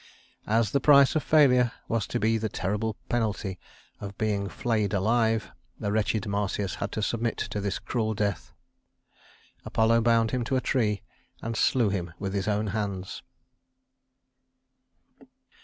As the price of failure was to be the terrible penalty of being flayed alive, the wretched Marsyas had to submit to this cruel death. Apollo bound him to a tree and slew him with his own hands.